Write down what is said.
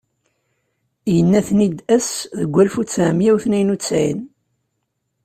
Yenna-ten-id ass deg walef uttɛemya u tniyen u ttɛin.